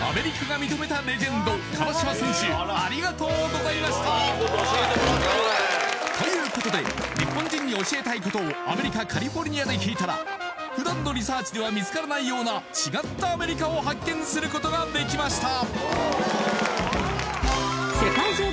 どうもいやあ嬉しいということで日本人に教えたいことをアメリカ・カリフォルニアで聞いたら普段のリサーチでは見つからないような違ったアメリカを発見することができました